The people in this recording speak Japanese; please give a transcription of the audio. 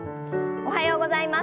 おはようございます。